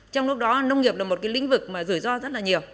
trong lúc đó nông nghiệp là một lĩnh vực rủi ro rất nhiều